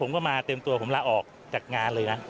มาเต็มตัวผมลาออกจากงานเลยนะ